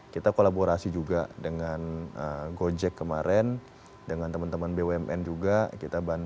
kita kolaborasi juga dengan gojek kemarin dengan teman teman bumn juga